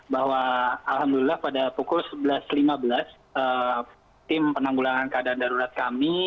bahwa alhamdulillah pada pukul sebelas lima belas tim penanggulangan keadaan darurat kami